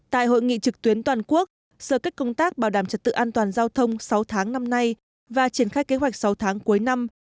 tại hội nghị trực tuyến toàn quốc sở kết công tác bảo đảm trật tự an toàn giao thông sáu tháng năm nay và triển khai kế hoạch sáu tháng cuối năm